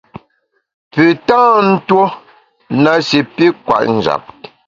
Pü tâ ntuo na shi pi kwet njap.